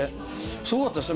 すごかったですよ。